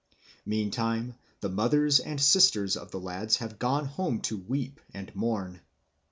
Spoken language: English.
Meantime the mothers and sisters of the lads have gone home to weep and mourn.